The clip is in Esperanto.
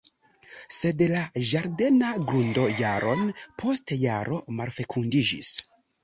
Sed la ĝardena grundo jaron post jaro malfekundiĝis.